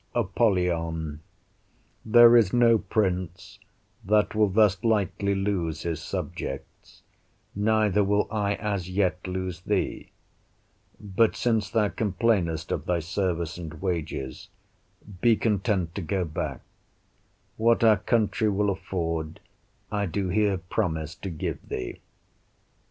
Apollyon There is no prince that will thus lightly lose his subjects, neither will I as yet lose thee; but since thou complainest of thy service and wages, be content to go back; what our country will afford, I do here promise to give thee.